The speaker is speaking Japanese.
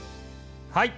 はい！